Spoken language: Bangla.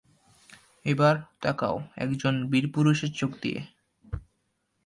এবার, তাকাও, একজন বীরপুরুষের চোখ দিয়ে।